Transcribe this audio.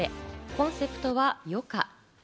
コンセプトは「余暇」。